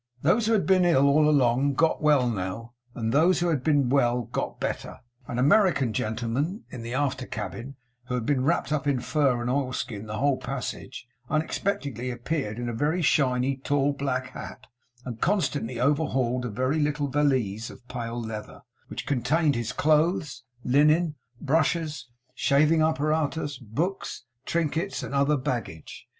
Those who had been ill all along, got well now, and those who had been well, got better. An American gentleman in the after cabin, who had been wrapped up in fur and oilskin the whole passage, unexpectedly appeared in a very shiny, tall, black hat, and constantly overhauled a very little valise of pale leather, which contained his clothes, linen, brushes, shaving apparatus, books, trinkets, and other baggage.